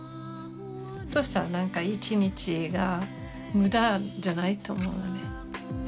そしたら何か一日が無駄じゃないと思うのね。